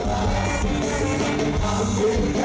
ambilkan gelas yee